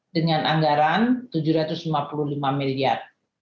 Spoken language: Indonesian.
dengan anggaran rp tujuh ratus lima puluh lima miliar